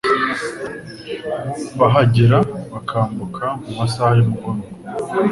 bahagera bakambuka mu masaha y'umugoroba